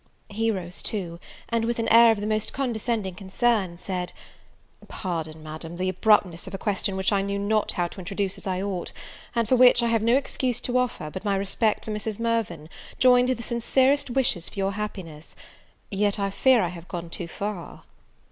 He rose too; and, with an air of the most condescending concern, said, "Pardon, Madam, the abruptness of a question which I knew not how to introduce as I ought, and for which I have no excuse to offer but my respect for Mrs. Mirvan, joined to the sincerest wishes for your happiness: yet I fear I have gone too far!"